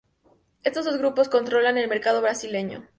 Estos dos grupos controlan el mercado brasileño.